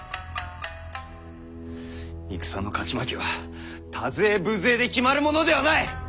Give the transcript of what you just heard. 戦の勝ち負けは多勢無勢で決まるものではない！